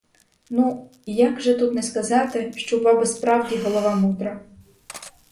Ну, як же тут не сказати, що у баби справді голова мудра!